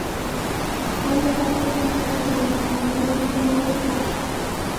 ټولو بنسټونو د مریانو نیولو ته مخه کړه.